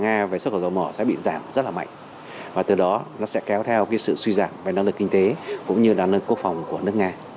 nga về xuất khẩu dầu mỏ sẽ bị giảm rất là mạnh và từ đó nó sẽ kéo theo cái sự suy giảm về năng lực kinh tế cũng như đàn quốc phòng của nước nga